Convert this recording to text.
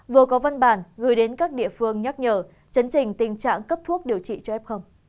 vừa có văn bản gửi đến các địa phương nhắc nhở chấn trình tình trạng cấp thuốc điều trị cho f